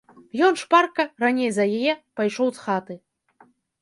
Ён шпарка, раней за яе, пайшоў з хаты.